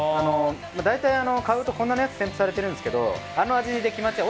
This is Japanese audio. だいたい買うと粉のやつ添付されてるんですけどあの味で決まっちゃう。